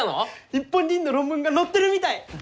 日本人の論文が載ってるみたい！